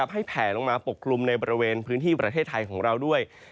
แผลลงมาปกกลุ่มในบริเวณพื้นที่ประเทศไทยของเราด้วย